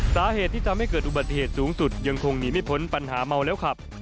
สาเหตุที่ทำให้เกิดอุบัติเหตุสูงสุดยังคงหนีไม่พ้นปัญหาเมาแล้วขับ